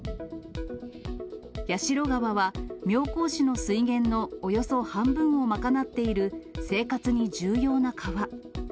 矢代川は妙高市の水源のおよそ半分を賄っている、生活に重要な川。